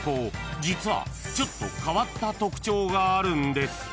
［実はちょっと変わった特徴があるんです］